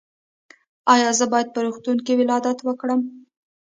ایا زه باید په روغتون کې ولادت وکړم؟